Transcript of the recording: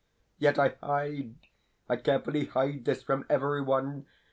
Yet I hide, I carefully hide, this from every one.